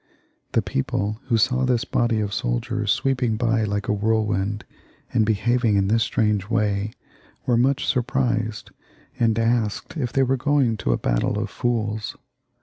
The people who saw this body of soldiers sweeping by like a whirlwind, and behaving in this strange way, were much surprised, and asked if they were going to a battle of fools.